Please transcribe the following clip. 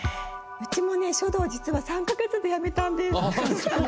うちもね書道実は３か月でやめたんです。